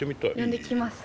呼んできます。